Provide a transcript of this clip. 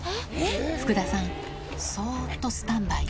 福田さん、そーっとスタンバイ。